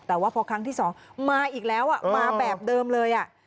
แต่ว่าพอครั้งที่สองมาอีกแล้วมาแบบเดิมเลย